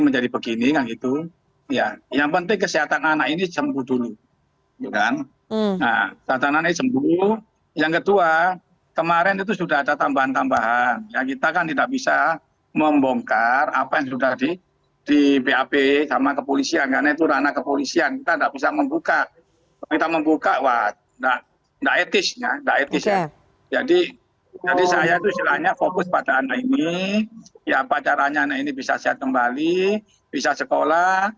jadi saya itu serahnya fokus pada anak ini ya apa caranya anak ini bisa sehat kembali bisa sekolah